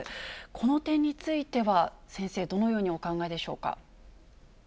この点については先生、どのようにお考えでしょうか。